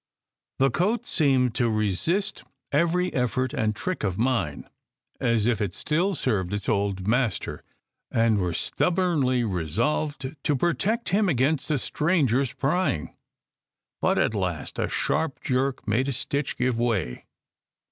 The coat seemed to resist every effort and trick of mine, as if it still served its old master and were stubbornly re solved to protect him against a stranger s prying; but at last a sharp jerk made a stitch give way.